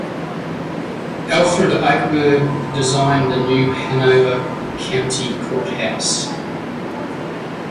Alfred Eichberg designed the New Hanover County Courthouse.